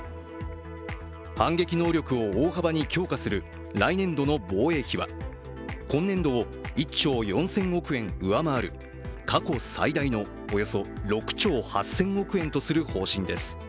反撃能力を大幅に強化する来年度の防衛費は今年度を１兆４０００億円上回る過去最大のおよそ６兆８０００億円とする方針です。